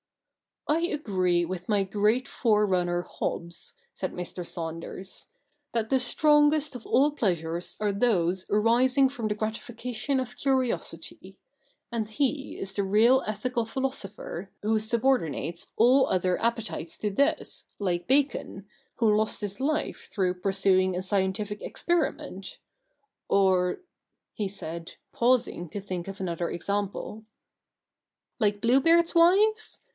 *' I agree with my great forerunner Hobbes,' said ^Ir, Saunders, ' that the strongest of all pleasures are those arising from the gratification of curiosity ; and he is the real ethical philosopher who subordinates all other appe tites to this, like Bacon, who lost his life through pursuing a scientific experiment, or '— he said, pausing to think of another example —• Like Bluebeard's wives